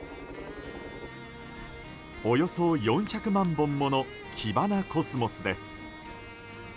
およそ４００万本ものキバナコスモスです。